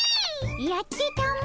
やってたも。